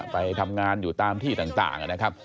ไปทำงานอยู่ตามที่ต่างนะครับ